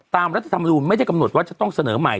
รัฐธรรมนูลไม่ได้กำหนดว่าจะต้องเสนอใหม่